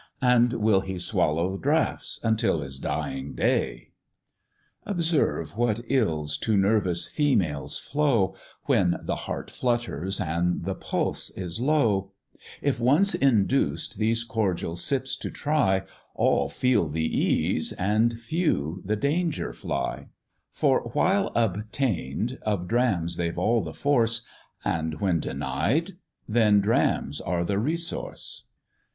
"And will he swallow draughts until his dying day?" Observe what ills to nervous females flow, When the heart flutters, and the pulse is low; If once induced these cordial sips to try, All feel the ease, and few the danger fly; For, while obtain'd, of drams they've all the force, And when denied, then drams are the resource.